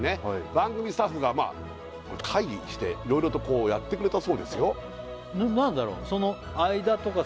番組スタッフが会議していろいろとやってくれたそうですよ何だろう？